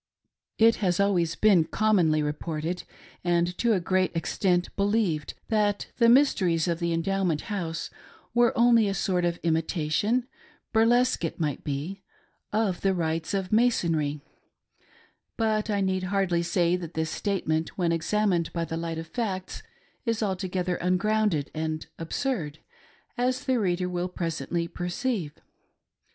It has always been commonly reported, and to a great extent believed, that the mysteries of the Endowment House were only a sort of imitation — burlesque, it might be — of the rites of Masonry ; but I need hardly say that this statement when examined by the light of facts is altogether ungrounded and absurd, as the reader will presently perceive.